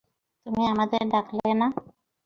তুমি আমাদের ডাকলে না।